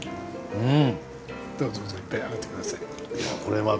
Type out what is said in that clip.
うん。